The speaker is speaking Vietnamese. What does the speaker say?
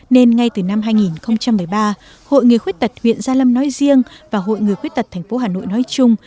nên ngay từ năm hai nghìn một mươi ba hội người khuyết tật huyện gia lâm nói riêng và hội người khuyết tật tp hà nội nói chung